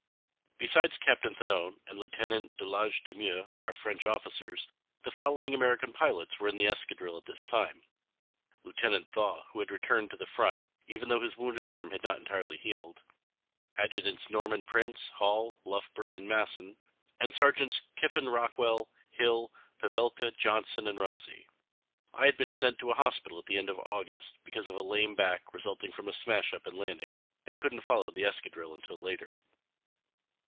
Besides Captain Thénault and Lieutenant de Laage de Mieux, our French officers, the following American pilots were in the escadrille at this time: Lieutenant Thaw, who had returned to the front, even though his wounded arm had not entirely healed; Adjutants Norman Prince, Hall, Lufbery, and Masson; and Sergeants Kiffin Rockwell, Hill, Pavelka, Johnson, and Rumsey. I had been sent to a hospital at the end of August, because of a lame back resulting from a smash up in landing, and couldn't follow the escadrille until later.